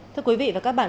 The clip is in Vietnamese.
thưa quý vị và các bạn